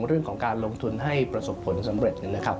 เรื่องของการลงทุนให้ประสบผลสำเร็จนะครับ